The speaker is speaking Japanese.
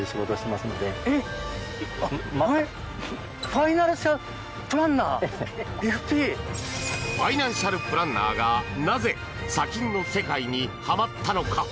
ファイナンシャルプランナーがなぜ砂金の世界にはまったのか。